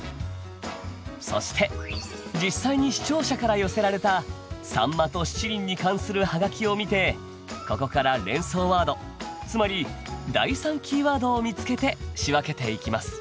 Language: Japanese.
そして実際に視聴者から寄せられた「秋刀魚」と「七輪」に関するはがきを見てここから連想ワードつまり第３キーワードを見つけて仕分けていきます。